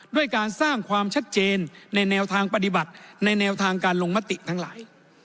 ด้วยการสร้างความชัดเจนในแนวทางปฏิบัติในแนวทางการลงมติทั้งหลาย